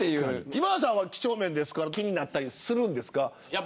今田さんは几帳面ですから気になったりしますか。